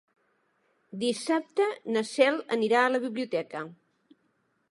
Dissabte na Cel anirà a la biblioteca.